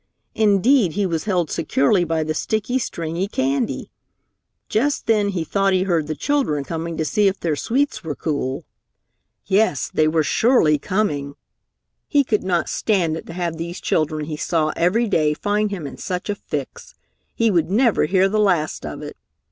Indeed, he was held securely by the sticky, stringy candy. Just then he thought he heard the children coming to see if their sweets were cool. Yes, they were surely coming! He could not stand it to have these children he saw every day find him in such a fix. He would never hear the last of it.